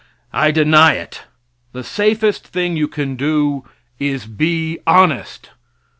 I deny it. The safest thing you can do is to be honest.